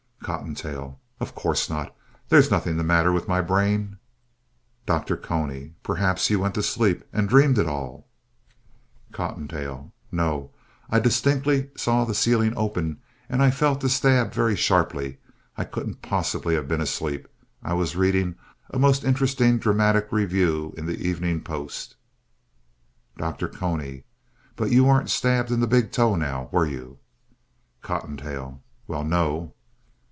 COTTONTAIL Of course not. There's nothing the matter with my brain. DR. CONY Perhaps you went to sleep and dreamed it all. COTTONTAIL No, I distinctly saw the ceiling open and I felt the stab very sharply. I couldn't possibly have been asleep. I was reading a most interesting dramatic review in The Evening Post. DR. CONY But you weren't stabbed in the big toe, now, were you? COTTONTAIL Well, no.